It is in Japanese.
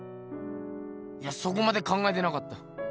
いやそこまで考えてなかった。